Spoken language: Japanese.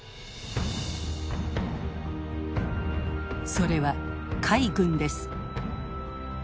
それは海軍です。